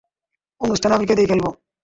অনুষ্ঠানে আমি কেঁদেই ফেলব।